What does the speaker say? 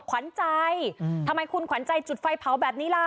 ขวัญใจทำไมคุณขวัญใจจุดไฟเผาแบบนี้ล่ะ